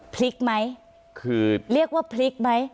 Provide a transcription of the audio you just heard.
พลิกไหมคือเรียกว่าพลิกไหม